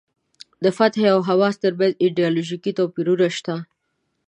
د فتح او حماس ترمنځ ایډیالوژیکي توپیرونه شته.